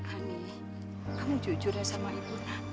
ani kamu jujur ya sama ibu nak